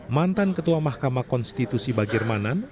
mantan ketua mahkamah konstitusi bagirmanan